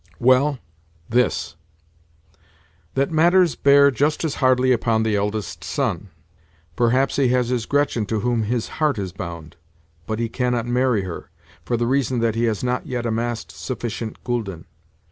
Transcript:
Well, this—that matters bear just as hardly upon the eldest son. Perhaps he has his Gretchen to whom his heart is bound; but he cannot marry her, for the reason that he has not yet amassed sufficient gülden.